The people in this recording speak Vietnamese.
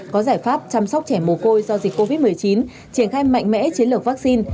có giải pháp chăm sóc trẻ mồ côi do dịch covid một mươi chín triển khai mạnh mẽ chiến lược vaccine